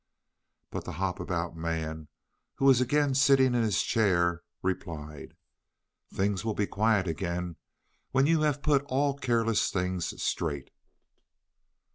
But the Hop about Man, who was again sitting in his chair, replied: "Things will be quiet again when you have put all careless things straight."